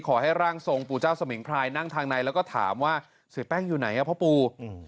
ขอให้ร่างทรงปู่เจ้าสมิงพรายนั่งทางในแล้วก็ถามว่าเสียแป้งอยู่ไหนพ่อปู